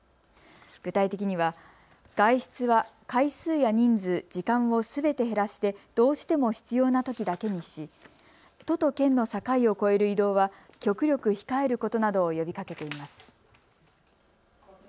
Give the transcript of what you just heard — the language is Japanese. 具体的には外出は回数や人数、時間をすべて減らしてどうしても必要なときだけにし都と県の境を越える移動は極力控えることなどを呼びかけています。